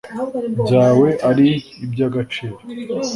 byawe ari iby agaciro